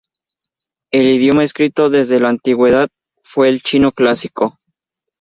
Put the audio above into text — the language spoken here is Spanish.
El idioma escrito desde la antigüedad fue el Chino clásico.